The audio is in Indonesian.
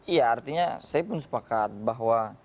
iya artinya saya pun sepakat bahwa